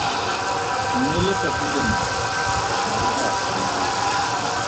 Mme letsatsi lengwe mariga a simolola.